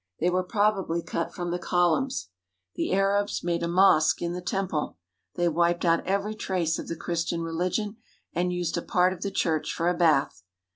They were probably cut from the columns. The Arabs made a mosque in the temple. They wiped out every trace of the Christian religion and used a part of the church for a bath.